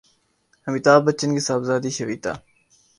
امیتابھبچن کی صاحبزادی شویتا